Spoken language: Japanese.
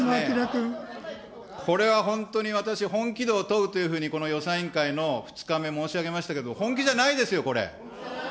これは本当に私、本気度を問うというふうに、この予算委員会の２日目申し上げましたけれども、本気じゃないですよ、これ。